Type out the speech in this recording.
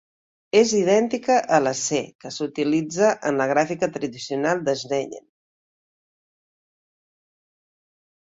És idèntica a la "C" que s'utilitza en la gràfica tradicional de Snellen.